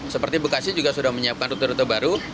seperti bekasi juga sudah menyiapkan rute rute baru